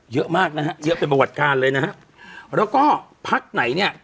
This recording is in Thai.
เยอะมากนะฮะเยอะเป็นประวัติการเลยนะฮะแล้วก็พักไหนเนี่ย